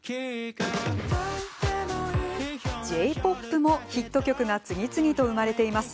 Ｊ−ＰＯＰもヒット曲が次々と生まれています。